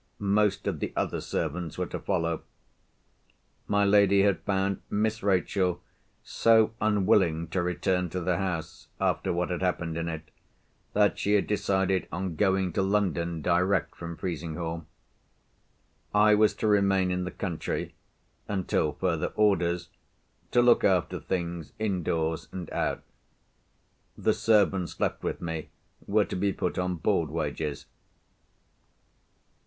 Most of the other servants were to follow. My lady had found Miss Rachel so unwilling to return to the house, after what had happened in it, that she had decided on going to London direct from Frizinghall. I was to remain in the country, until further orders, to look after things indoors and out. The servants left with me were to be put on board wages.